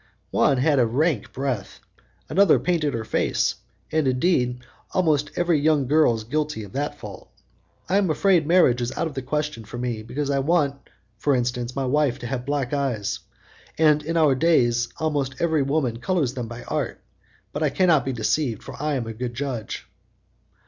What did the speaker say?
"One had a rank breath; another painted her face, and, indeed, almost every young girl is guilty of that fault. I am afraid marriage is out of the question for me, because I want, for instance, my wife to have black eyes, and in our days almost every woman colours them by art; but I cannot be deceived, for I am a good judge."